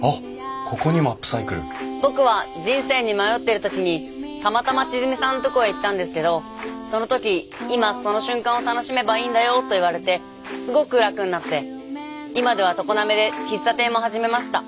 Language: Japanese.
僕は人生に迷ってる時にたまたま千純さんのとこへ行ったんですけどその時「今その瞬間を楽しめばいいんだよ」と言われてすごく楽になって今では常滑で喫茶店も始めました。